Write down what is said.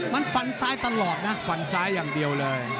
มันฟันซ้ายตลอดนะฟันซ้ายอย่างเดียวเลย